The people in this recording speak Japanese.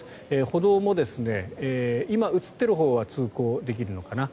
歩道も、今、映っているほうは通行できるのかな。